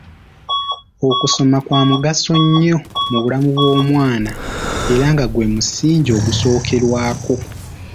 Okusoma kwa mugaso nnyo mu bulamu bw’omwana era nga gwe musingi ogusookerwako.